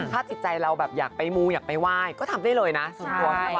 ถ้าจิตใจเราแบบอยากไปมูอยากไปไหว้ก็ทำได้เลยนะส่วนตัว